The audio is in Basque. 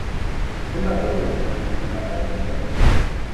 Zenbat ordu entrenatzen zara egunero?